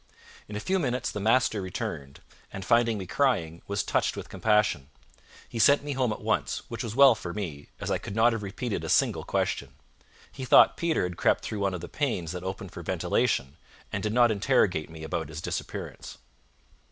In a few minutes the master returned, and finding me crying, was touched with compassion. He sent me home at once, which was well for me, as I could not have repeated a single question. He thought Peter had crept through one of the panes that opened for ventilation, and did not interrogate me about his disappearance.